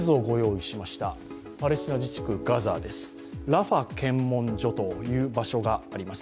ラファ検問所という場所があります。